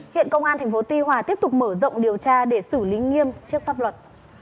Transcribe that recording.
hiện công an tp tuy hòa tiếp tục mở rộng điều tra để xử lý nghiêm trước pháp luật